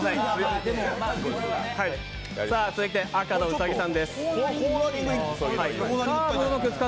続いて赤の兎さんです。